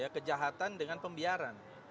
kejahatan dengan pembiaran